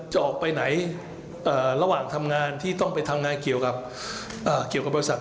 จะออกไปไหนระหว่างทำงานที่ต้องไปทำงานเกี่ยวกับบริษัท